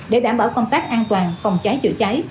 để đảm bảo công tác an toàn phòng cháy chữa cháy